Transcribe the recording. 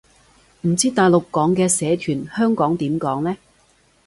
唔知大陸講嘅社團，香港點講呢